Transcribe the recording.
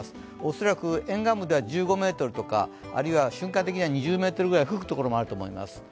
恐らく沿岸部では１５メートルとかあるいは瞬間的には２０メートルぐらい吹くところもあると思います。